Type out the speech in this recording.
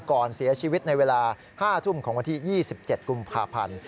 ก่อนเสียชีวิตในเวลา๕ทุ่มของวันที่๒๗กุมภาพันธ์